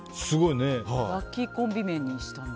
ラッキーコンビ名にしたんだ。